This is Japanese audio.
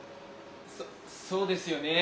そそうですよね。